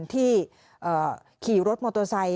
ที่ขี่รถมอเตอร์ไซค